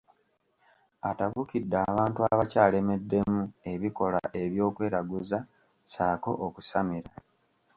Atabukidde abantu abakyaleddemu ebikolwa eby’okweraguza ssaako okusamira.